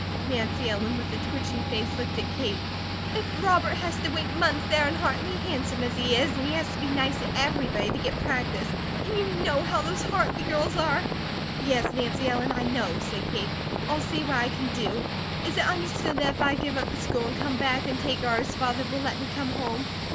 Nancy Ellen, with a twitching face, looked at Kate. "If Robert has to wait months, there in Hartley, handsome as he is, and he has to be nice to everybody to get practice, and you know how those Hartley girls are " "Yes, Nancy Ellen, I know," said Kate. "I'll see what I can do. Is it understood that if I give up the school and come back and take ours, Father will let me come home?"